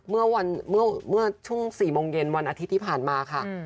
เมื่อช่วง๔โมงเย็นวันอาทิตย์ที่ผ่านมาค่ะ